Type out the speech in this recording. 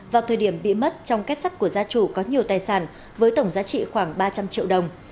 vào thời điểm bị mất trong kết sắt của gia chủ có nhiều tài sản với tổng giá trị khoảng ba trăm linh triệu đồng